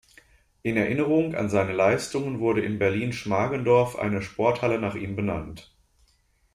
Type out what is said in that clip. In Erinnerung an seine Leistungen wurde in Berlin-Schmargendorf eine Sporthalle nach ihm benannt.